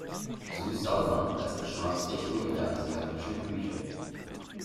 Süß-sauer als Geschmacksrichtung in der asiatischen Küche.